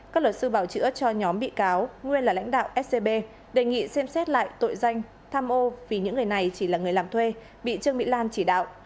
các luật sư bảo chữa cho nhóm bị cáo nguyên là lãnh đạo scb đề nghị xem xét lại tội danh tham ô vì những người này chỉ là người làm thuê bị trương mỹ lan chỉ đạo